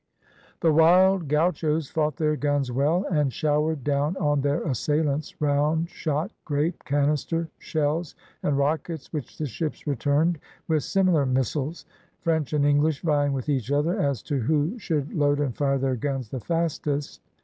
The wild gauchos fought their guns well, and showered down on their assailants round shot, grape, canister, shells, and rockets, which the ships returned with similar missiles, French and English vying with each other as to who should load and fire their guns the fastest.